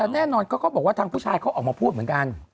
แน่นอนเขาก็บอกว่าทางผู้ชายเขาออกมาพูดเหมือนกัน